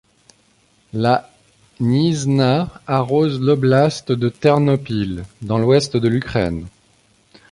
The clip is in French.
La Hnizna arrose l'oblast de Ternopil, dans l'ouest de l'Ukraine.